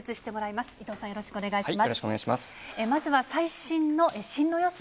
まずは最新の進路予想